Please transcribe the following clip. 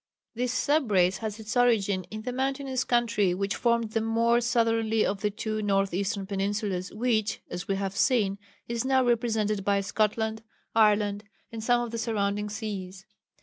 This sub race had its origin in the mountainous country which formed the more southerly of the two north eastern peninsulas which, as we have seen, is now represented by Scotland, Ireland, and some of the surrounding seas.